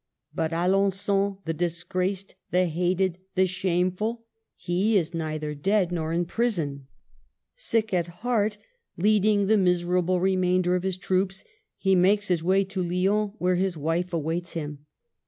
But Alengon, the disgraced, the hated, the shameful, he is neither dead nor in prison. Sick at heart, leading the miserable remainder of his troops, he makes his way to Lyons where his wife awaits him.